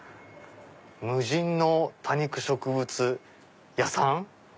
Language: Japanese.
無人の多肉植物屋さん？